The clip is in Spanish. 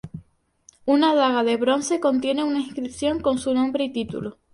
Una daga de bronce contiene una inscripción con su nombre y título.